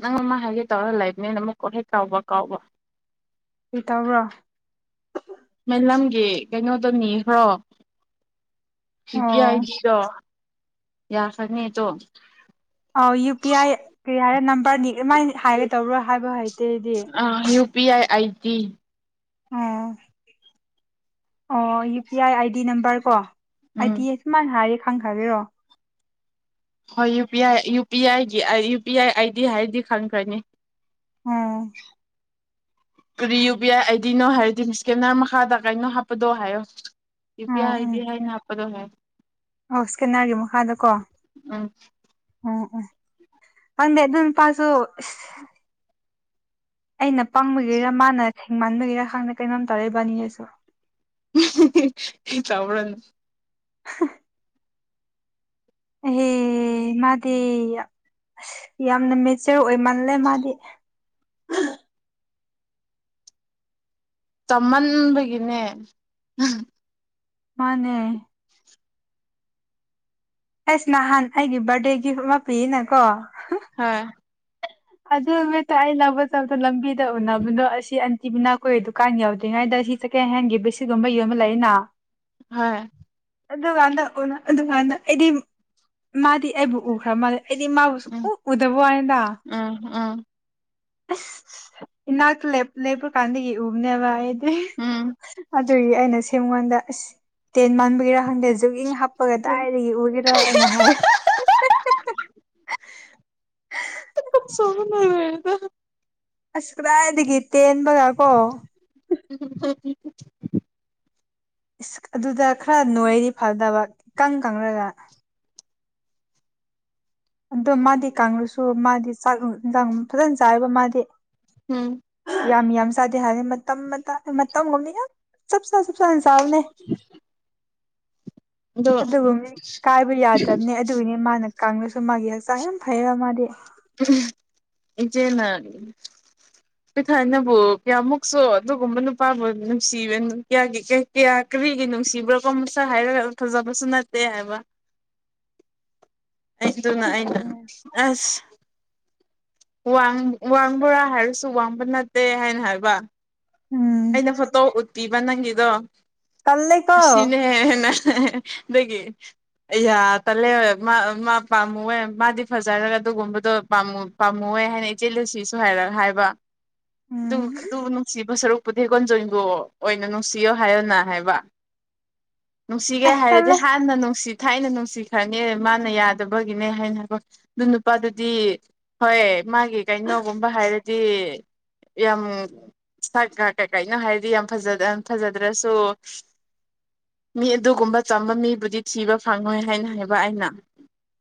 ꯅꯪ ꯑꯃ ꯍꯥꯏꯒꯦ ꯇꯧꯔꯒ ꯂꯩꯕꯅꯦꯅ ꯑꯃꯨꯛ ꯀꯣꯠ ꯍꯦꯛ ꯀꯥꯎꯕ ꯀꯥꯎꯕ ꯀ꯭ꯔꯤ ꯇꯧꯕ꯭ꯔꫭ ꯃꯩꯂꯝꯒꯤ ꯀꯩꯅꯣꯗꫭ ꯅꯤꯈ꯭ꯔꯣ ꯁꯤꯗꯤ ꯑꯣ ꯍꯥꯏꯗ ꯌꯥꯈ꯭ꯔꯅꯤ ꯗꯣ ꯑꯣ ꯌꯨ ꯄꯤ ꯑꯥꯏ ꯀ꯭ꯔꯤ ꯍꯥꯏꯔ ꯅꯝꯕꯔꯅꯤ ꯀꯃꯥꯏꯅ ꯍꯥꯏꯒꯦ ꯇꯧꯕ꯭ꯔꯣ ꯍꯥꯏꯕ ꯍꯩꯇꯦ ꯑꯩꯗꯤ ꯑꯥ ꯌꯨ ꯄꯤ ꯑꯥꯏ ꯑꯥꯏ ꯗꯤ ꯑꯣ ꯑꯣ U P I ID number ꯀꯣ ꯑꯥꯏ ꯗꯤ ꯎꯝ ꯑꯁꯨ ꯃꯥꯏ ꯍꯥꯏꯔꯦ ꯈꯪꯈ꯭ꯔꯒꯦꯔꯣ ꯍꯣꯏꯨ ꯄꯤ ꯑꯥꯏ ꯌꯨ ꯄꯤ ꯑꯥꯏꯒꯤ ꯌꯨ ꯄꯤ ꯑꯥꯏ ꯑꯥꯏꯗꯤ ꯍꯥꯏꯔꯗꯤ ꯈꯪꯈ꯭ꯔꯅꯤ ꯎꯝ ꯀꯔꯤ ꯌꯨ ꯄꯤ ꯑꯥꯏ ꯑꯥꯏꯗꯤꯅꯣ ꯍꯥꯏꯔꯗꯤ ꯁ꯭ꯀꯦꯟꯅꯔ ꯃꯈꯥꯗ ꯀꯩꯅꯣ ꯍꯥꯞꯄꯗꯣ ꯍꯥꯏꯌꯣ ꯌꯨ ꯄꯤ ꯎꯝ ꯎꯝ ꯑꯥꯏꯗꯤ ꯍꯥꯏꯅ ꯍꯥꯞꯄꯗꯣ ꯍꯥꯏ ꯑꯣ ꯏꯁꯀꯦꯟꯅꯔꯒꯤ ꯃꯈꯥꯗꯀꯣ ꯎꯝ ꯎꯝ ꯎꯝ ꯈꯪꯗꯦ ꯑꯗꯨ ꯅꯨꯄꯥꯁꯨ ꯏꯁ ꯑꯩꯅ ꯄꯥꯡꯕꯒꯤꯔ ꯃꯥꯅ ꯁꯦꯡꯃꯥꯟꯕꯒꯤꯔ ꯈꯪꯗꯦ ꯀꯩꯅꯣꯝ ꯇꯧꯔꯦ ꯏꯕꯥꯅꯤꯒꯤꯁꯨ ꯆꯥꯎꯔꯟ [inaudible] ꯑꯍꯦ ꯃꯥꯗꯤ ꯌꯥꯝ ꯑꯁ ꯌꯥꯝꯅ ꯃꯦꯆꯔ ꯃꯜꯂꯦ ꯃꯥꯗꯤ ꯆꯝꯃꯟꯕꯒꯤꯅꯦ ꯃꯥꯟꯅꯦ ꯑꯩꯁ ꯅꯍꯥꯟ ꯑꯩꯒꯤ ꯕꯥꯔꯗꯦ ꯒꯤꯐ ꯑꯃ ꯄꯤꯌꯦꯅ ꯀꯣ ꯍꯥ ꯑꯗꯨ ꯍꯦꯛꯇ ꯑꯩ ꯂꯧꯕ ꯆꯠꯄ ꯂꯝꯕꯤꯗ ꯎꯅꯕꯗꯣ ꯑꯁꯤ ꯑꯟꯇꯤꯕꯤꯅꯥ ꯀꯣꯏ ꯗꯨꯀꯥꯟ ꯌꯧꯗ꯭ꯔꯤꯉꯩꯗ ꯁꯤ ꯁꯦꯀꯦꯟ ꯍꯦꯟꯒꯤ ꯕꯤꯁꯤꯒꯨꯝꯕ ꯌꯣꯟꯕ ꯂꯛꯏꯅ ꯍꯥ ꯑꯗꯨꯒꯥꯟꯗ ꯎꯅꯥ ꯑꯗꯨꯀꯥꯟꯗ ꯑꯩꯗꯤ ꯃꯥꯗꯤ ꯑꯩꯕꯨ ꯎ ꯈ꯭ꯔ ꯃꯥꯜꯂꯦ ꯑꯩꯗꯤ ꯃꯥꯕꯨ ꯎꯗꯕ꯭ꯋꯥꯅꯤꯗ ꯑꯝ ꯑꯁ ꯏꯅꯥꯛꯇ ꯂꯦꯞ ꯂꯦꯞꯄ ꯀꯥꯟꯗꯒꯤ ꯏ ꯎꯕꯅꯦꯕ ꯑꯩ ꯑꯍꯤ ꯎꯝ ꯑꯗꯨꯒꯤ ꯑꯩꯅ ꯁꯤ ꯑꯩꯉꯣꯟꯗ ꯑꯁ ꯇꯦꯟ ꯃꯥꯟꯕꯒꯤꯔ ꯈꯪꯗꯦ ꯖꯨꯛ ꯏꯪ ꯍꯥꯞ ꯍꯥꯄꯒ ꯗꯥꯥꯏꯗꯒꯤ ꯎꯒꯗ꯭ꯔꯥ ꯑꯩꯅ ꯍꯥꯏ ꯑꯍꯍꯍ ꯇꯀ ꯁꯣꯟꯕꯅ ꯂꯣꯏꯔꯦꯗ ꯑꯁ ꯀꯔꯥꯏꯗꯒꯤ ꯇꯦꯟ ꯈꯔꯀꯣ ꯑꯟꯑꯣꯗꯤꯕꯜ ꯏꯁ ꯑꯗꯨꯗ ꯈꯔ ꯅꯣꯏꯔꯤ ꯐꯗꯕ ꯏꯀꯪ ꯀꯪꯔꯒ ꯑꯗꯣ ꯃꯥꯗꯤ ꯀꯥꯡꯂꯁꯨ ꯃꯥꯗꯤ ꯆꯥꯛ ꯌꯦꯟꯁꯥꯡ ꯐꯖꯅ ꯆꯥꯏꯕ ꯃꯥꯗꯤ ꯎꯝ ꯌꯥꯝ ꯌꯥꯝ ꯆꯥꯗꯦ ꯍꯥꯏꯔꯦ ꯃꯇꯝ ꯃꯇꯥ ꯃꯇꯝꯒꯨꯝꯅꯤ ꯌꯥꯝ ꯆꯞ ꯖꯟ ꯆꯥꯕꯅꯦ ꯑꯗꯣ ꯑꯗꯨꯕꯨꯅꯤ ꯀꯥꯏꯕ ꯌꯥꯗꯕꯅꯦ ꯑꯗꯨꯒꯤꯅꯤ ꯃꯥꯅ ꯀꯥꯡꯅꯁꯨ ꯃꯥꯒꯤ ꯍꯛꯆꯥꯡ ꯌꯥꯝ ꯐꯩꯕ ꯃꯥꯗꯤ ꯏꯆꯦꯅ ꯄꯤꯊꯥꯏꯅꯕꯨ ꯀꯌꯥꯃꯨꯛꯁꯨ ꯑꯗꯨꯒꯨꯝꯕ ꯅꯨꯄꯥꯕꯨ ꯅꯨꯡꯁꯤꯕꯌꯥꯒꯤ ꯀꯌꯥ ꯀꯔꯤꯒꯤ ꯅꯨꯡꯁꯤꯕ꯭ꯔꯥꯀꯣ ꯃꯁꯥ ꯍꯥꯏꯔꯒ ꯐꯖꯕꯁꯨ ꯅꯠꯇꯦ ꯍꯥꯏꯕ ꯑꯩꯗꯨꯅꯦ ꯑꯩꯅ ꯑꯁ ꯋꯥꯡ ꯋꯥꯡꯕꯣꯔꯥ ꯍꯥꯏꯔꯁꯨ ꯋꯥꯡꯕ ꯅꯠꯇꯦ ꯍꯥꯏꯅ ꯍꯥꯏꯕ ꯎꯝ ꯑꯩꯅ ꯐꯣꯇꯣ ꯎꯠꯄꯤꯕ ꯅꯪꯒꯤꯗꯣ ꯇꯜꯂꯦꯀꯣ ꯁꯤꯅꯦꯅ ꯍꯦꯍꯦ ꯑꯗꯒꯤ ꯌꯥ ꯇꯜꯂꯦ ꯃꯥ ꯄꯥꯝꯃꯨꯍꯦ ꯃꯥꯗꯤ ꯐꯖꯔꯒ ꯑꯗꯨꯒꯨꯝꯕꯗꯣ ꯄꯥꯝꯃꯨ ꯄꯥꯝꯃꯨꯍꯦ ꯍꯥꯏꯅ ꯏꯆꯦ ꯂꯨꯁꯤꯁꯨ ꯍꯥꯏꯔꯕ ꯍꯥꯏꯕ ꯎꯝ ꯗꯨꯗꯨꯕꯨ ꯅꯨꯡꯁꯤꯕ ꯁꯔꯨꯛ ꯄꯨꯊꯦꯛ ꯀꯣꯟꯖꯣꯏꯗꯣ ꯑꯣꯏꯅ ꯅꯨꯡꯁꯤꯌꯣ ꯍꯥꯏꯌꯣꯅ ꯍꯥꯏꯕ ꯅꯨꯡꯁꯤꯒꯦ ꯑꯦ ꯍꯥꯏꯔꯗꯤ ꯇꯜꯂꯦ ꯍꯥꯟꯅ ꯅꯨꯡꯁꯤ ꯊꯥꯏꯅ ꯅꯨꯡꯁꯤꯈ꯭ꯔꯅꯦ ꯃꯥꯅ ꯌꯥꯗꯕꯒꯤꯅꯦ ꯍꯥꯏꯅꯈꯣ ꯑꯗꯨ ꯅꯨꯄꯥꯗꯨꯗꯤ ꯍꯣꯏꯌꯦ ꯃꯥꯒꯤ ꯀꯩꯅꯣꯒꯨꯝꯕ ꯍꯥꯏꯔꯗꯤ ꯌꯥꯝ ꯁꯛꯒ ꯀꯩ ꯀꯩꯅꯣ ꯍꯥꯏꯔꯗꯤ ꯌꯥꯝ ꯐꯖꯗ ꯐꯖꯗ꯭ꯔꯁꯨ ꯃꯤ ꯑꯗꯨꯒꯨꯝꯕ ꯆꯝꯕ ꯃꯤꯕꯨꯗꯤ ꯊꯤꯕ ꯐꯪꯉꯣꯏ ꯍꯥꯏꯅ ꯍꯥꯏꯕ ꯑꯩꯅ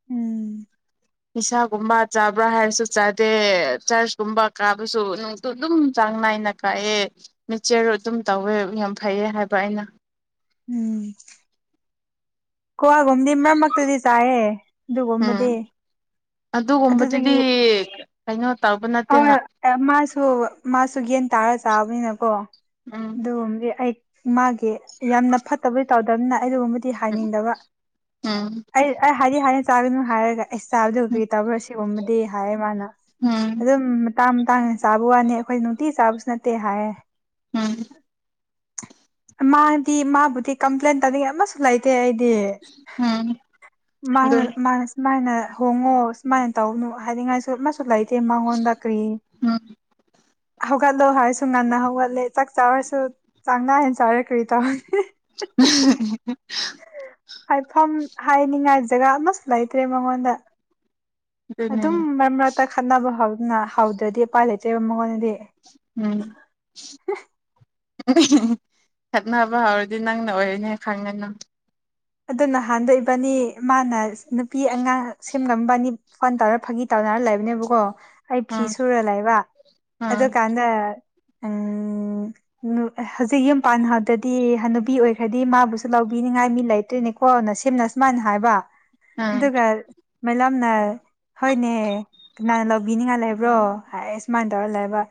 ꯎꯝ ꯅꯤꯁꯥꯒꯨꯝꯕ ꯆꯥꯕ꯭ꯔꯥ ꯍꯥꯏꯔꯁꯨ ꯆꯥꯗꯦ ꯆꯔꯆꯀꯨꯝꯕ ꯀꯥꯕꯁꯨ ꯅꯨꯡꯇꯨ ꯑꯗꯨꯝ ꯆꯥꯡ ꯅꯥꯏꯅ ꯀꯥꯏꯌꯦ ꯃꯤꯠꯆꯦꯔꯨ ꯑꯗꯨꯝ ꯇꯧꯋꯦ ꯌꯥꯝ ꯐꯩꯌꯦ ꯍꯥꯏꯕ ꯑꯩꯅ ꯎꯝ ꯀ꯭ꯋꯤꯒꯨꯝꯗꯤ ꯃꯔꯛ ꯃꯔꯛꯇꯗꯤ ꯆꯥꯏꯑꯦ ꯑꯗꯨꯒꯨꯝꯕꯗꯤ ꯎꯝ ꯑꯗꯨꯒꯨꯝꯕꯗꯨꯗꯤ ꯑꯗꯨꯗꯒꯤ ꯀꯩꯅꯣ ꯇꯧꯕ ꯅꯠꯇꯦꯅ ꯍ ꯃꯥꯁꯨ ꯃꯥꯁꯨ ꯌꯦꯒꯟ ꯇꯥꯔ ꯆꯥꯕꯅꯤꯅꯀꯣ ꯎꯝ ꯑꯗꯨꯣ ꯑꯩ ꯃꯥꯒꯦ ꯌꯥꯝꯅ ꯐꯠꯇꯕ ꯇꯧꯗꯦ [inaudible] ꯑꯩꯨꯝꯕꯗꯤ ꯎꯝ ꯍꯥꯏꯅꯤꯡꯗꯕ ꯎꯝ ꯑꯩ ꯑꯩ ꯍꯥꯏꯗꯤ ꯍꯥꯏꯅ ꯇꯥꯅ ꯍꯥꯏꯦꯒ ꯏꯁꯕꯗ ꯑꯣꯏꯒ ꯕ꯭ꯔꯥ ꯁꯤꯒꯨꯝꯕꯗꯤ ꯍꯥꯏꯌꯦ ꯃꯥꯅ ꯎꯝ ꯑꯗꯨꯝ ꯇꯥꯡ ꯇꯥꯡꯗꯅ ꯆꯥꯕ ꯋꯥꯅꯤ ꯑꯩꯈꯣꯏ ꯅꯨꯡꯇꯤ ꯆꯥꯕꯁꯨ ꯅꯠꯇꯦ ꯍꯥꯏꯔꯦ ꯎꯝ ꯃꯥꯗꯤ ꯃꯥꯕꯨꯗꯤ ꯀꯝꯄ꯭ꯂꯦꯟ ꯇꯥꯅꯤꯡꯉ ꯑꯃꯁꯨ ꯂꯩꯇꯦ ꯑꯩꯗꯤ ꯎꯝ ꯑꯗꯨ ꯃꯥꯏꯅ ꯍꯣꯡꯉꯣ ꯁꯨꯃꯥꯏꯅ ꯇꯧꯅꯨ ꯍꯥꯏꯅꯤꯡꯉꯥꯏꯁꯨ ꯃꯥꯁꯨ ꯂꯩ ꯃꯉꯣꯟꯗꯥꯀꯔꯤ ꯎꯝ ꯍꯧꯒꯠꯂꯣ ꯍꯥꯏꯔꯁꯨ ꯉꯟꯅ ꯍꯧꯒꯠꯂꯦ ꯆꯥꯛ ꯆꯥꯔꯁꯨ ꯆꯥꯡ ꯅꯥꯏꯟ ꯆꯔꯦ ꯀꯔꯤ ꯇꯦ ꯍꯥꯏꯐꯝ ꯍꯥꯏꯅꯤꯡꯉꯥꯏ ꯖꯒꯥ ꯑꯃꯁꯨ ꯂꯩꯇ꯭ꯔꯦ ꯃꯉꯣꯟꯗ ꯑꯗꯨꯝ ꯑꯗꯨꯅꯦ ꯃꯔꯛ ꯃꯔꯛꯇ ꯈꯟꯅꯅꯕ ꯍꯧꯥꯎꯋꯤ ꯅ ꯍꯧꯗ꯭ꯔꯗꯤ ꯄꯥꯏꯂꯦꯆꯦꯕ ꯃꯉꯣꯟꯗꯗꯤ ꯎꯝ ꯈꯠꯅꯕ ꯍꯧꯔꯗꯤ ꯅꯪꯅ ꯑꯣꯏꯔꯅꯦ ꯈꯪꯒꯅꯨ ꯑꯗꯨ ꯅꯍꯥꯟꯗꯏꯕꯅꯤ ꯃꯥꯅ ꯅꯨꯄꯤ ꯑꯉꯥꯡ ꯁꯦꯝꯂꯝꯝꯕꯅꯤ ꯐꯟ ꯇꯧꯔ ꯐꯥꯒꯤ ꯇꯧꯅꯔ ꯂꯩꯕꯅꯦꯕꯀꯣ ꯑꯩ ꯐꯤ ꯎꯝ ꯁꯨꯔ ꯂꯩꯕ ꯎꯝ ꯑꯗꯨꯀꯥꯟꯗ ꯍꯧꯖꯤꯛ ꯌꯨꯝ ꯄꯥꯟꯍꯗꯗꯤ ꯅꯨꯄꯤ ꯑꯣꯏꯈ꯭ꯔꯗꯤ ꯃꯥꯕꯨꯁꯨ ꯂꯧꯕꯤꯅꯤꯡꯉꯥꯏ ꯃꯤ ꯂꯩ ꯑꯗꯨꯣꯏꯅꯤꯀꯣ ꯅ ꯁꯤꯝꯅ ꯁꯨꯃꯥꯏꯅ ꯍꯥꯏꯕ ꯑꯗꯨꯗ ꯎꯝ ꯀ ꯃꯦꯗꯥꯝꯅ ꯍꯣꯏꯅꯦ ꯀꯅꯥꯅ ꯂꯧꯕꯤꯅꯤꯡꯉꯥꯏ ꯂꯩꯕ꯭ꯔꯣ ꯍꯥꯏ ꯁꯨꯃꯥꯏꯅ ꯇꯧꯔ ꯂꯩꯕ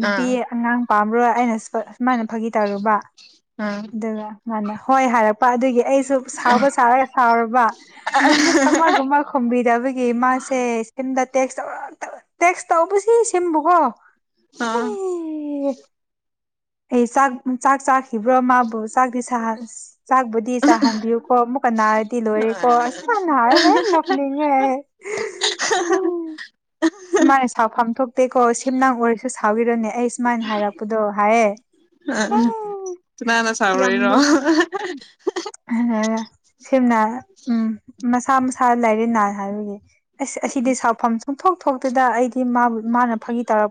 ꯅꯨꯄꯤ ꯑꯥ ꯑꯉꯥꯡ ꯄꯥꯝꯔꯣꯏ ꯑꯩꯅ ꯁꯨꯃꯥꯏꯅ ꯐꯥꯒꯤ ꯇꯧꯔꯨꯕ ꯑꯥ ꯑꯗꯨꯗꯒ ꯉꯅ ꯍꯣꯏ ꯍꯥꯏꯔꯛꯄ ꯑꯗꯨꯒꯤ ꯑꯩ ꯁꯥꯎꯕ ꯁꯥꯎꯔꯒ ꯁꯥꯎꯔꯕ ꯅꯨꯃꯤꯠ ꯑꯃꯒꯨꯝꯕ ꯈꯣꯨꯝꯕꯤꯗꯕꯒꯤ ꯃꯥꯁꯦ ꯁꯝꯗ ꯇꯦꯛꯁ ꯇ ꯇꯦꯛꯁ ꯇꯧꯕꯁꯤ ꯁꯦꯝꯕꯨꯀꯣ ꯑꯥ ꯑꯦ ꯆꯥꯛ ꯆꯥꯛ ꯆꯥꯛ ꯆꯈꯤꯕ꯭ꯔꯣ ꯃꯥꯕꯨ ꯆꯥꯛꯇꯤ ꯆꯥꯛꯕꯨꯗꯤ ꯆꯥꯍꯟꯕꯤꯌꯨ ꯑꯃꯨꯛꯀ ꯅꯥꯔꯗꯤ ꯂꯣꯏꯔꯦꯀꯣ ꯑꯁ ꯅꯥꯔ ꯂ ꯅꯣꯛꯅꯤꯡꯉꯦ ꯎ ꯁꯨꯃꯥꯏꯅ ꯁꯥꯎꯐꯝ ꯊꯣꯛꯇꯦꯀꯣ ꯁꯦꯝꯅꯥꯡ ꯑꯣꯏꯔꯁꯨ ꯁꯥꯎꯔꯅꯦ ꯑꯩ ꯁꯨꯃꯥꯏꯅ ꯍꯥꯏꯔꯛꯄꯗꯣ ꯍꯥꯏꯌꯦ ꯑ ꯀꯨꯅꯥꯅ ꯌꯥꯝ ꯆꯥꯎꯥꯎꯔꯣꯏꯔꯣ ꯅꯣꯛ ꯁꯦꯝꯝꯅ ꯎꯝ ꯃꯁꯥ ꯃꯁꯥ ꯂꯥꯏꯔꯤ ꯅꯥ ꯍꯥꯏꯕꯒꯤ ꯑꯁ ꯑꯁꯤꯗꯤ ꯁꯥꯐꯝ ꯆꯨꯝ ꯊꯣꯛ ꯊꯣꯛꯇꯨꯗ ꯑꯩꯗꯤꯕꯨ ꯃꯥꯅ ꯐꯥꯒꯤ ꯇꯧꯔ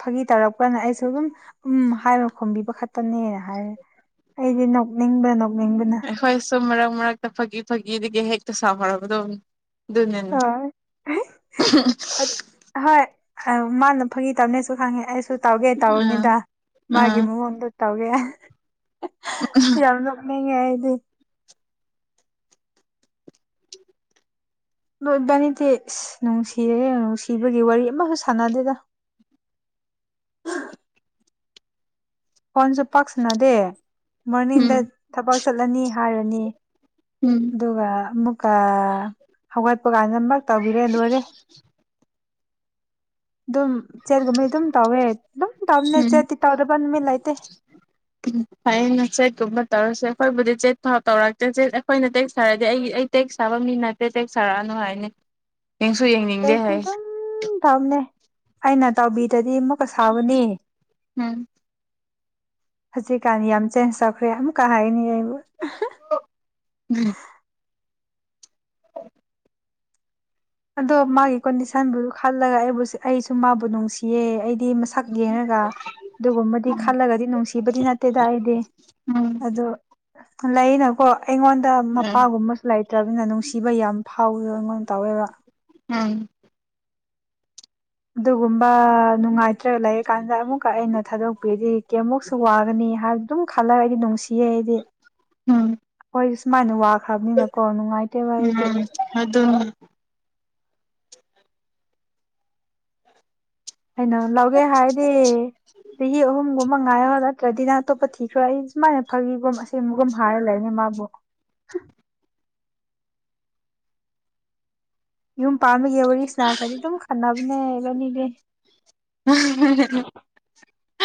ꯐꯥꯒꯤ ꯇꯧꯔꯛꯄꯅ ꯑꯩꯁꯨ ꯑꯗꯨꯝ ꯎ ꯍꯥꯏꯕ ꯈꯣꯝꯕꯤꯕ ꯈꯛꯇꯅꯦꯅ ꯍꯥꯏꯔꯦ ꯑꯩꯗꯤ ꯅꯣꯛꯅꯤꯡꯕꯅ ꯅꯣꯛꯅꯤꯡꯕꯅ ꯑꯩꯈꯣꯏ ꯁꯨꯝ ꯃꯔꯛ ꯃꯔꯛꯇ ꯐꯥꯒꯤ ꯐꯥꯒꯤꯗꯒꯤ ꯍꯦꯛ ꯁꯐꯂꯕꯗ ꯅꯌꯥꯅ ꯍꯣꯏ ꯍꯣꯏ ꯃꯥꯅ ꯐꯪꯤ ꯇꯕꯅꯦꯁꯨ ꯈꯪꯉꯦ ꯑꯩꯁꯨ ꯇꯧꯒꯦ ꯑꯥ ꯇꯧꯔꯨꯅꯤꯗ ꯃꯥꯒꯤ ꯑꯥ ꯃꯑꯣꯣꯟꯗ ꯇꯧꯒꯦ ꯌꯥꯝ ꯅꯣꯛꯅꯤꯡꯉꯦ ꯑꯩꯗꯤ ꯅꯣꯏ ꯏꯕꯥꯅꯤꯗꯤꯁ ꯅꯨꯡꯁꯤꯔꯦ ꯅꯨꯡꯁꯤꯕꯒꯤ ꯋꯥꯔꯤ ꯑꯃꯁꯨ ꯁꯥꯟꯅꯗꯦꯗ ꯎ ꯍꯣꯟꯁꯨ ꯄꯥꯛꯁꯅꯗꯦ ꯎꯝ ꯃꯣꯔꯅꯤꯡꯗ ꯊꯕꯛ ꯆꯠꯂꯅꯤ ꯊꯥꯔꯅꯤ ꯎꯝ ꯑꯗꯨꯒ ꯀ ꯍ ꯀꯥꯟ ꯑꯃꯃꯛ ꯇꯧꯕꯤꯔꯦ ꯂꯣꯏꯔꯦ ꯑꯗꯨꯝ ꯆꯦꯠꯀꯨꯝꯕꯩ ꯑꯗꯨꯝ ꯇꯧꯋꯦ ꯑꯗꯨꯝ ꯇꯧꯅꯦ ꯎꯝ ꯆꯦꯠꯇꯤ ꯇꯧꯗꯕ ꯅꯨꯃꯤꯠ ꯂꯩꯇꯦ ꯐꯩꯅ ꯆꯦꯛꯀꯨꯝꯕ ꯇꯧꯔꯁꯦ ꯑꯩꯈꯣꯏꯕꯨꯗꯤ ꯆꯦ ꯐꯥꯎ ꯇꯧꯔꯛꯇꯦꯦ ꯑꯩꯈꯣꯏꯅ ꯇꯦꯛꯁ ꯁꯥꯔꯗꯤ ꯑꯩ ꯑꯩ ꯇꯦꯛꯁ ꯁꯥꯕ ꯃꯤ ꯅꯠꯇꯦ ꯇꯦꯛ ꯁꯥꯔꯛꯑꯅꯨ ꯍꯥꯏꯅꯤ ꯌꯦꯡꯁꯨ ꯌꯦꯡꯅꯤꯡꯗꯦ ꯑꯦꯁꯨ ꯍꯥꯏ ꯑꯗꯨꯝ ꯊꯝꯅꯦ ꯑꯩꯅ ꯇꯧꯕꯤ ꯗꯗꯤ ꯑꯃꯨꯛꯀ ꯁꯥꯥꯎꯕꯅꯤ ꯎꯝ ꯍꯧꯖꯤꯛꯀꯥꯟꯅꯤ ꯌꯥꯝ ꯆꯦꯟꯖ ꯇꯧꯈ꯭ꯔꯦ ꯑꯃꯨꯛꯀ ꯍꯥꯏꯅꯤ ꯑꯩ ꯎꯝ ꯑꯗꯣ ꯃꯥꯒꯤ ꯀꯣꯟꯗꯤꯁꯟꯕꯨ ꯈꯜꯂꯒ ꯑꯩꯕꯨ ꯑꯩꯁꯨ ꯃꯥꯕꯨ ꯅꯨꯡꯁꯤꯌꯦ ꯑꯩꯗꯤꯁ ꯁꯛ ꯌꯦꯡꯉꯒ ꯑꯗꯨꯒꯨꯝꯕꯗꯤ ꯈꯜꯂꯒꯗꯤ ꯅꯨꯡꯁꯤꯕꯗꯤ ꯅꯠꯇꯦꯗ ꯑꯩꯗꯤ ꯎꯝ ꯑꯗꯣ ꯂꯩꯅꯀꯣ ꯑꯩꯉꯣꯟꯗ ꯎꯝ ꯃꯄꯥꯒꯨꯝꯕꯁꯨ ꯂꯩꯇ꯭ꯔꯅꯤꯅ ꯅꯨꯡꯁꯤꯕ ꯌꯥꯝ ꯐꯥꯎꯋꯦꯕ ꯑꯩꯉꯣꯟꯗ ꯇꯧꯋꯦꯕ ꯎꯝ ꯑꯗꯨꯒꯨꯝꯕ ꯅꯨꯡꯉꯥꯏꯇ꯭ꯔꯒ ꯂꯩꯔꯀꯥꯟꯗ ꯑꯃꯨꯛꯀ ꯑꯩꯅ ꯊꯥꯗꯣꯛꯄꯤꯔꯤꯗꯤ ꯀꯌꯥꯃꯨꯛꯁꯨ ꯋꯥꯒꯅꯤ ꯍꯥꯏ ꯑꯗꯨꯝ ꯈꯜꯂꯒꯗꯤ ꯅꯨꯡꯁꯤ ꯗꯤ ꯎꯝ ꯑꯩꯈꯣꯏ ꯃꯟꯋꯥ ꯈꯕꯅꯤꯅꯀꯣ ꯅꯨꯡꯉꯥꯏꯇꯦꯕ ꯑꯩꯗꯤ ꯎꯝ ꯑꯗꯨꯅꯤ ꯀꯩꯅꯣ ꯂꯧꯒꯦ ꯍꯥꯏꯗꯤ ꯆꯍꯤ ꯑꯍꯨꯝꯒꯨꯝꯕ ꯃꯉ ꯍꯗ ꯇ꯭ꯔꯗꯤꯅ ꯑꯇꯣꯞꯄ ꯊꯤꯈ꯭ꯔ ꯑꯩ ꯁꯨꯥꯏꯅꯥꯈꯤꯕꯒꯨꯝ ꯑꯁꯦꯡꯕꯒꯨꯝ ꯍꯥꯏꯔ ꯂꯩꯅꯦ ꯃꯥꯕꯨ ꯌꯨꯝ ꯄꯥꯒꯤ ꯋꯥꯔꯤ ꯏꯁꯅꯥ ꯈꯔꯗꯤ ꯑꯗꯨꯝ ꯈꯟꯅꯅꯕꯅꯦ ꯒꯅꯤ ꯂꯩꯦ [inaudible] [unintelligible]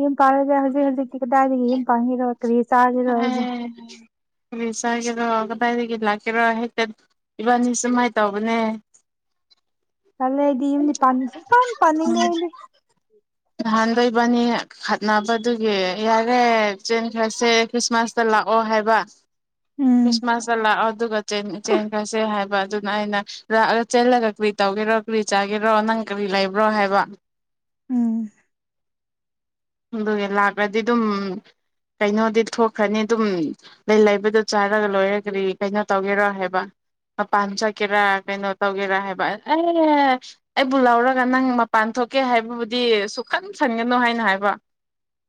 ꯌꯨꯝ ꯄꯥꯜꯂꯁꯦ ꯍꯧꯖꯤꯛ ꯍꯧꯖꯤꯛꯇꯤ ꯀꯗꯥꯏꯗꯒꯤ ꯌꯨꯝ ꯄꯥꯟꯈꯤꯔꯣ ꯀꯔꯤ ꯆꯥꯈꯤꯔꯣ ꯍꯥꯏꯕꯣ ꯀ ꯆꯥꯒꯦꯔꯣ ꯀꯗꯥꯏꯗꯒꯤ ꯂꯥꯛꯀꯦꯔꯣ ꯍꯦꯛꯇ ꯏꯕꯥꯅꯤ ꯁꯨꯃꯥꯏꯅ ꯇꯧꯕꯅꯦ ꯅꯂ ꯍꯥꯏꯗꯤ ꯏꯗꯤ ꯄ ꯀꯥꯟ ꯄꯅꯤꯡꯉꯦ ꯍꯥꯏꯗꯤ ꯑꯍꯟꯗꯣꯏꯕꯅꯤ ꯈꯠꯅꯕꯗꯨꯒꯤ ꯌꯥꯔꯦ ꯆꯦꯟ ꯈ꯭ꯔꯁꯦ ꯈ꯭ꯔꯤꯁꯃꯥꯁꯇ ꯂꯥꯛꯑꯣ ꯍꯥꯏꯕ ꯎꯝ ꯈ꯭ꯔꯤꯁꯃꯥꯁꯇ ꯂꯥꯛꯑꯣ ꯑꯗꯨꯒ ꯆꯦꯟꯈꯁꯦ ꯍꯥꯏꯕ ꯑꯗꯨ ꯥꯏꯩꯅ ꯂꯥꯛꯑ ꯆꯦꯜꯂꯒ ꯀꯔꯤ ꯇꯧꯒꯦꯔꯣ ꯀꯔꯤ ꯆꯥꯒꯦꯔꯣ ꯅꯪ ꯀꯔꯤ ꯂꯩꯕ꯭ꯔꯣ ꯍꯥꯏꯕ ꯎꯝ ꯑꯗꯨꯒꯤ ꯂꯥꯛꯂꯗꯤ ꯑꯗꯨꯝ ꯀꯩꯅꯣꯗꯤ ꯊꯣꯛꯈ꯭ꯔꯅꯤ ꯑꯗꯨꯝ ꯂꯩ ꯂꯩꯕꯗ ꯆꯥꯔꯒ ꯂꯣꯏꯔꯒꯔꯤ ꯀꯩꯅꯣ ꯇꯧꯒꯦꯔ ꯍꯥꯏꯕ ꯃꯄꯥꯟ ꯆꯠꯀꯦꯔꯥ ꯀꯩꯅꯣ ꯇꯧꯒꯦꯔꯥ ꯍꯥꯏꯕ ꯑꯦ ꯑꯩꯕꯨ ꯂꯧꯔꯒ ꯅꯪ ꯃꯄꯥꯟ ꯊꯣꯛꯀꯦ ꯍꯥꯏꯕꯕꯨꯗꯤ ꯁꯨꯈꯟ ꯁꯪꯒꯅꯨ ꯍꯥꯏꯅ ꯍꯥꯏꯕ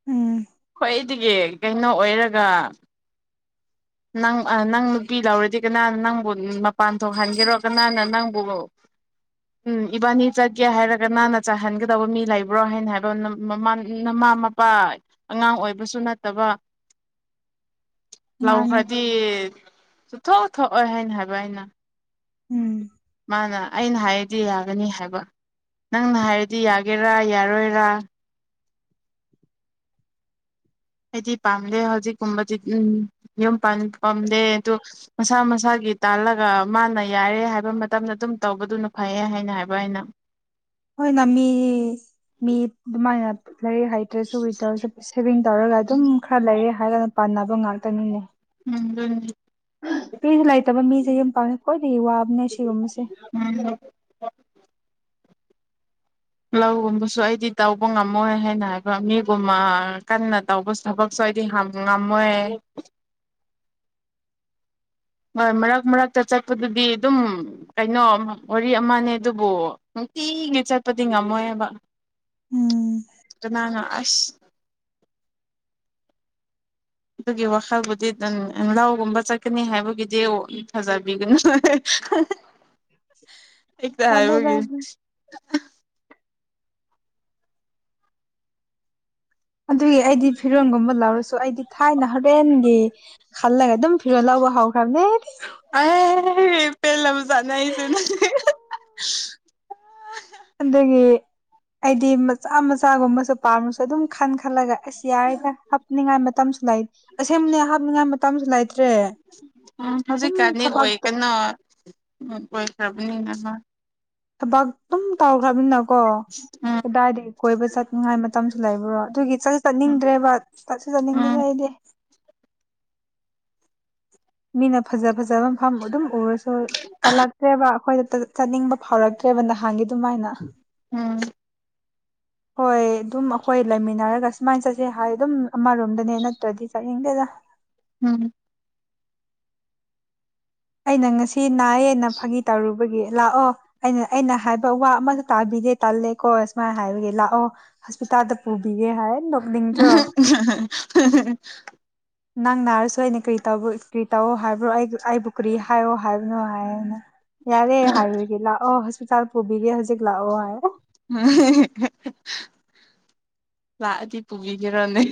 ꯎꯝ ꯑꯗꯨꯒꯤ ꯀꯩꯅꯣ ꯑꯣꯏꯔꯒ ꯅꯪ ꯅꯪ ꯅꯨꯄꯤ ꯂꯧꯔꯗꯤ ꯀꯅꯥꯅ ꯅꯪꯕꯨ ꯃꯄꯥꯟ ꯊꯣꯛꯍꯟꯒꯦꯔꯣ ꯀꯅꯥꯅ ꯅꯪꯕꯨ ꯎꯝ ꯏꯕꯥꯅꯤ ꯆꯠꯒꯦ ꯍꯥꯏꯔꯒ ꯅꯪꯅ ꯆꯥꯍꯟꯒꯗꯕ ꯃꯤ ꯂꯩꯕ꯭ꯔꯣ ꯍꯥꯏꯅ ꯍꯥꯏꯕ ꯃꯃ ꯃꯃꯥ ꯃꯄꯥ ꯑꯉꯥꯡ ꯑꯣꯏꯕꯁꯨ ꯅꯠꯇꯕ ꯃꯥꯅꯦ ꯂꯧꯈ꯭ꯔꯗꯤ ꯆꯊꯣꯛꯑꯣ ꯊꯣꯛꯑꯣꯏ ꯍꯥꯏꯅ ꯍꯥꯏꯕ ꯑꯩꯅ ꯎꯝ ꯃꯥꯅ ꯑꯩꯅ ꯍꯥꯏꯔꯗꯤ ꯌꯥꯒꯅꯤ ꯍꯥꯏꯕ ꯅꯪꯅ ꯍꯥꯏꯔꯗꯤ ꯌꯥꯒꯦꯔꯥ ꯌꯥꯔꯣꯏꯔꯥ ꯍꯥꯏꯗꯤ ꯄꯥꯝꯗꯦ ꯍꯧꯖꯤꯛꯀꯨꯝꯕꯗꯤ ꯎꯝ ꯄꯥꯟ ꯄꯝꯗꯦ ꯇꯣ ꯃꯁꯥ ꯃꯁꯥꯒꯤ ꯇꯥꯜꯂꯒ ꯃꯥꯅ ꯌꯥꯔꯦ ꯍꯥꯏꯕ ꯃꯇꯝꯗ ꯑꯗꯨꯝ ꯇꯧꯕꯗꯨꯅ ꯐꯩ ꯍꯥꯏꯅ ꯍꯥꯏꯕ ꯑꯩꯅ ꯍꯣꯏꯅ ꯃꯤ ꯃꯤ ꯑꯗꯨꯃꯥꯏꯅ ꯂꯩ ꯍꯥꯏꯩꯇ꯭ꯔꯁꯨ ꯋꯤ ꯇꯧꯔꯁꯨ ꯁꯦꯚꯤꯡ ꯇꯧꯔꯒ ꯑꯗꯨꯝ ꯈꯔ ꯂꯩꯔꯦ ꯍꯥꯏꯔꯒꯅ ꯄꯥꯟꯅꯕ ꯉꯥꯛꯇꯅꯤꯅꯦ ꯎꯝ ꯑꯗꯨ ꯀꯂꯥꯏ ꯇꯕ ꯃꯤꯖꯦ ꯌꯨꯝ ꯄꯥꯟꯕ ꯈ꯭ꯋꯥꯏꯗꯒꯤ ꯋꯥꯕꯅꯦ ꯑꯁꯤꯒꯨꯝꯕꯁꯦ ꯎꯝ ꯂꯧꯒꯨꯝꯕꯁꯨ ꯑꯩꯗꯤ ꯇꯧꯕ ꯉꯝꯃꯣꯏ ꯍꯥꯏꯅ ꯍꯥꯏꯕ ꯃꯤꯒꯨꯝꯃ ꯀꯟꯅ ꯇꯧꯕ ꯊꯕꯛꯁꯨ ꯑꯩꯗꯤ ꯍꯝ ꯉꯝꯃꯣꯏ ꯍꯣꯏ ꯃꯔꯛ ꯃꯔꯛꯇ ꯆꯠꯄꯗꯨꯗꯤ ꯑꯗꯨꯝ ꯀꯩꯅꯣ ꯋꯥꯔꯤ ꯑꯃꯅꯦ ꯑꯗꯨꯕꯨ ꯅꯨꯡꯇꯤꯒꯤ ꯆꯠꯄꯗꯤ ꯉꯝꯃꯣꯏꯑꯕ ꯎꯝ ꯀꯅꯥꯅꯣ ꯑꯁ ꯑꯗꯨꯒꯤ ꯋꯥꯈꯜꯕꯨꯗꯤ ꯑꯗꯨꯝ ꯎꯝ ꯂꯧꯒꯨꯝꯕ ꯆꯠꯀꯅꯤ ꯍꯥꯏꯕꯒꯤꯗꯤ ꯊꯥꯖꯕꯤꯒꯅꯨ ꯍꯦ ꯍꯦ ꯍꯍ ꯑꯩ ꯈꯛꯇ ꯇꯜꯂꯦꯗ ꯍꯥꯏꯕꯒꯤ ꯑꯗꯨꯒꯤ ꯑꯩꯗꯤ ꯐꯤꯔꯣꯟꯒꯨꯝꯕ ꯂꯧꯔꯁꯨ ꯇꯣ ꯑꯩꯗꯤ ꯊꯥꯏꯅ ꯍꯣꯔꯦꯟꯒꯤ ꯈꯜꯂꯒ ꯑꯗꯨꯝ ꯐꯤꯔꯣꯜ ꯂꯧꯕ ꯍꯧꯈ꯭ꯔꯕꯅꯦ ꯄꯦꯜꯂꯝ ꯑꯃ ꯆꯥꯅ ꯑꯩꯁꯨ ꯅ ꯑꯗꯒꯤ ꯑꯩꯗꯤ ꯃꯆꯥ ꯃꯆꯥꯒꯨꯝꯕꯁꯨ ꯄꯥꯝꯔꯁꯨ ꯑꯗꯨꯝ ꯈꯟ ꯈꯜꯂꯒ ꯑꯁ ꯌꯥꯔꯦꯁꯦ ꯍꯥꯞꯅꯤꯡꯉꯥꯏ ꯃꯇꯝꯁꯨ ꯂꯩ ꯑꯁꯦꯡꯕꯅꯦ ꯍꯥꯞꯅꯤꯡꯉꯥꯏ ꯃꯇꯝꯁꯨ ꯂꯩꯇ꯭ꯔꯦ ꯎꯝ ꯑꯗꯨꯝ ꯍꯧꯖꯤꯛꯀꯥꯟꯗꯤ ꯊꯕꯛꯇ ꯇꯧꯕꯅꯤꯅꯍꯥ ꯊꯕꯛ ꯑꯗꯨꯝ ꯇꯧꯈ꯭ꯔꯕꯅꯤꯅꯀꯣ ꯎꯝ ꯀꯗꯥꯏꯗꯒꯤ ꯀꯣꯏꯕ ꯆꯠꯅꯤꯡꯉꯥꯏ ꯃꯇꯝꯁꯨ ꯂꯩꯕ꯭ꯔꯣ ꯑꯗꯨꯒꯤ ꯆꯠꯁꯨ ꯆꯠꯅꯤꯡꯗ꯭ꯔꯦꯕ ꯆꯠꯁꯨ ꯆꯠꯅꯤꯡꯗꯦ ꯎꯝ ꯑꯩꯗꯤ ꯃꯤꯅ ꯐꯖ ꯐꯖ ꯐꯖꯕ ꯃꯐꯝ ꯑꯗꯨꯝ ꯎꯔꯁꯨ ꯀꯜꯂꯛꯇ꯭ꯔꯦꯕ ꯑꯩꯈꯣꯏꯗ ꯆꯠꯅꯤꯡꯕ ꯐꯥꯎꯔꯛꯇ꯭ꯔꯦꯕ ꯅꯍꯥꯟꯒꯤ ꯑꯗꯨꯃꯥꯏꯅ ꯎꯝ ꯍꯣꯏ ꯑꯗꯨꯝ ꯑꯈꯣꯏ ꯂꯩꯃꯤꯟꯅꯔꯒ ꯁꯨꯃꯥꯏꯅ ꯆꯠꯁꯦ ꯍꯥꯏ ꯑꯗꯨꯝ ꯑꯃꯔꯣꯝꯗꯅꯦ ꯅꯠꯇ꯭ꯔꯗꯤ ꯆꯠꯅꯤꯡꯗꯦꯗ ꯎꯝ ꯑꯩꯅ ꯉꯁꯤ ꯅꯥꯏꯌꯦꯅ ꯐꯥꯒꯤ ꯇꯧꯔꯨꯕꯒꯤ ꯂꯥꯛꯑꯣ ꯑꯩꯅ ꯑꯩꯅ ꯍꯥꯏꯕ ꯋꯥ ꯑꯃꯇꯥ ꯇꯥꯕꯤꯗꯦ ꯇꯜꯂꯦꯀꯣ ꯑꯁꯨꯃꯥꯏ ꯍꯥꯏꯕꯒꯤ ꯂꯥꯛꯑꯣ ꯍꯣꯁꯄꯤꯇꯥꯜꯗ ꯄꯨꯕꯤꯒꯦ ꯍꯥꯏ ꯅꯣꯛꯅꯤꯡꯗ꯭ꯔꯣ [unintelligible] ꯅꯪ ꯅꯥꯔꯁꯨ ꯑꯩꯅ ꯀ꯭ꯔꯤ ꯇꯧꯕ ꯀ꯭ꯔꯤ ꯇꯧ ꯍꯥꯏꯕ꯭ꯔꯣ ꯑꯩꯒꯨ ꯑꯩꯕꯨ ꯀꯔꯤ ꯍꯥꯏꯌꯣ ꯍꯥꯏꯕꯅꯣ ꯍꯥꯏꯅꯦ ꯌꯥꯔꯦ ꯍꯥꯏ ꯑꯣꯏꯒꯤ ꯂꯥꯛꯑꯣ ꯍꯧꯖꯤꯛ ꯄꯤꯇꯥꯜ ꯄꯨꯕꯤꯒꯦ ꯍꯧꯖꯤꯛ ꯂꯥꯎꯑꯣ ꯍꯥꯏ ꯑꯣ ꯎꯝ ꯍꯍ ꯍꯍ ꯍꯍ ꯂꯥꯛꯑꯗ ꯄꯨꯕꯤꯒꯦꯔꯥꯅꯦ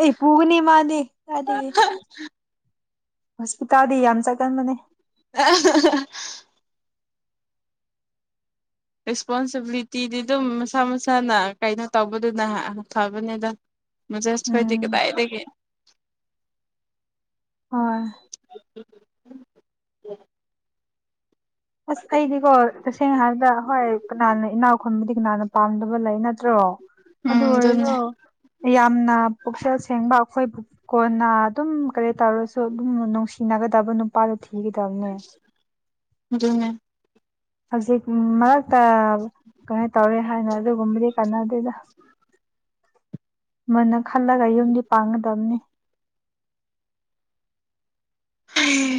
ꯑꯩ ꯄꯨꯨꯒꯅꯤ ꯃꯥꯅꯦꯗ ꯍꯣꯁꯄꯤꯇꯥꯜꯗꯤ ꯌꯥꯝ ꯆꯠꯀꯟꯕꯅꯦ ꯑ ꯍꯥ ꯑꯍꯥ ꯑꯍꯥ ꯔꯦꯁꯄꯣꯟꯁꯤꯕꯤꯂꯤꯇꯤꯗꯤ ꯑꯗꯨꯝ ꯃꯁꯥ ꯃꯁꯥꯅ ꯀꯩꯅꯣ ꯇꯧꯕꯗꯨꯅ ꯍꯥ ꯐꯕꯅꯤꯗ ꯃꯣꯖꯦꯏꯍꯣꯏꯗꯤ ꯎꯝ ꯀꯗꯥꯏꯗꯒꯤ ꯍꯣꯏ [unintelligible] ꯎꯝ ꯎ ꯑꯁ ꯑꯩꯗꯤꯀꯣ ꯇꯁꯦꯡꯅ ꯍꯥꯏꯔꯕꯗ ꯍꯣꯏ ꯀꯅꯥꯅ ꯏꯅꯥꯎ ꯗꯤꯛꯅꯥꯥꯟꯅ ꯄꯝꯗꯕ ꯂꯩ ꯅꯠꯇ꯭ꯔꯣ ꯑꯗꯨ ꯎꯝ ꯑꯗꯨꯅꯦ ꯑꯣꯏꯔꯁ‌ꯣ ꯌꯥꯝꯅ ꯄꯨꯛꯆꯦꯜ ꯁꯦꯡꯕ ꯑꯩꯈꯣꯏꯕꯨ ꯀꯣꯟꯅ ꯑꯗꯨꯝ ꯀꯔꯤ ꯇꯥꯔꯁꯨ ꯑꯗꯨꯝ ꯅꯨꯡꯁꯤ ꯊꯤꯅꯒꯗꯕ ꯅꯨꯄꯥꯗꯨ ꯊꯀ ꯆꯥꯝꯅꯦ ꯑꯗꯨꯅꯦ ꯍꯧꯖꯤꯛ ꯃꯔꯛꯇ ꯀꯃꯥꯏ ꯇꯧꯔꯦ ꯍꯥꯏꯅ ꯑꯗꯨꯒꯨꯝꯕꯗꯤ ꯀꯥꯟꯅꯗꯣꯏꯗ ꯃꯅ ꯈꯜꯂꯒ ꯌꯨꯝꯗꯤ ꯄꯥꯡꯒꯗꯕꯅꯤ ꯎꯝ